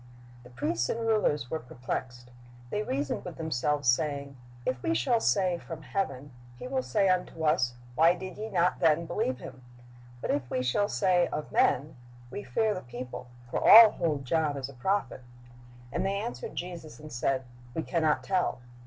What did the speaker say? The priests and rulers were perplexed. "They reasoned with themselves, saying, If we shall say, From heaven. He will say unto us. Why did ye not then believe him? But if we shall say. Of men, we fear the people; for all hold John as a prophet. And they answered Jesus, and said. We can not tell.